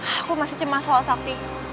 aku masih cemas soal sakti